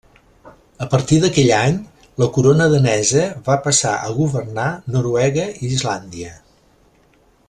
A partir d'aquell any la Corona danesa va passar a governar Noruega i Islàndia.